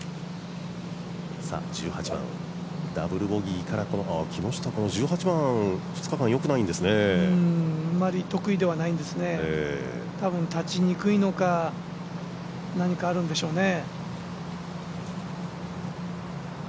１８番、ダブルボギーから木下１８番、２日間、よくないんですねあまり得意ではないんですね多分、立ちにくいのか何かあるんでしょうね。